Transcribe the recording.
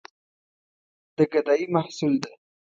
د ګدايي محصول ده.